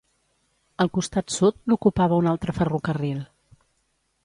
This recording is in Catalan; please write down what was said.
El costat sud l'ocupava un altre ferrocarril.